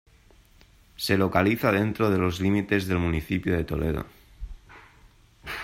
Se localiza dentro de los límites del Municipio de Toledo.